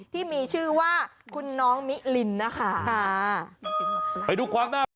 ที่มีชื่อว่าคุณน้องมิลินนะคะ